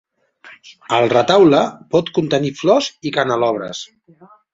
El retaule pot contenir flors i canelobres.